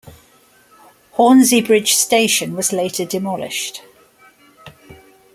Hornsea Bridge Station was later demolished.